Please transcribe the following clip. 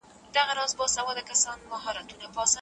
ریښتیني معلومات د ټولني پوهاوی ډېروي.